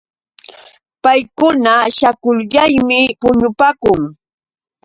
Paykuna śhaakuyalmi puñupaakun.